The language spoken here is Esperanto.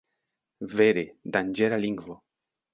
Vere, danĝera lingvo!